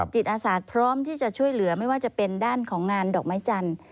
จิตอาสาพร้อมที่จะช่วยเหลือไม่ว่าจะเป็นด้านของงานดอกไม้จันทร์